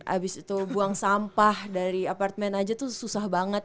abis itu buang sampah dari apartemen aja tuh susah banget